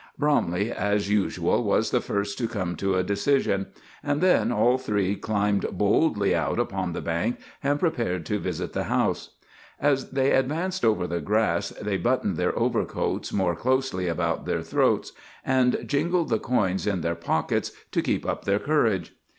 Bromley, as usual, was the first to come to a decision; and then all three climbed boldly out upon the bank and prepared to visit the house. As they advanced over the grass they buttoned their overcoats more closely about their throats, and jingled the coins in their pockets to keep up their courage.